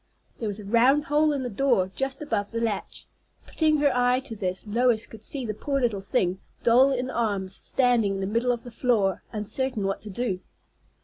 There was a round hole in the door just above the latch. Putting her eye to this, Lois could see the poor little thing, doll in arms, standing in the middle of the floor, uncertain what to do.